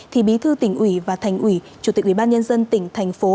thì bí thư tỉnh ủy và thành ủy chủ tịch ủy ban nhân dân tỉnh thành phố